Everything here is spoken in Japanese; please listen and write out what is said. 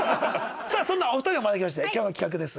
さあそんなお二人を招きまして今日の企画です。